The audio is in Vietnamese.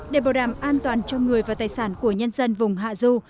để bảo đảm an toàn cho người và tài sản của nhân dân vùng hạ du